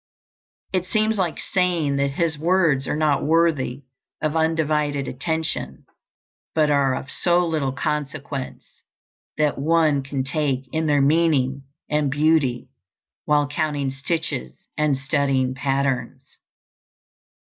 It seems like saying that his words are not worthy of undivided attention, but are of so little consequence that one can take in their meaning and beauty while counting stitches and studying patterns.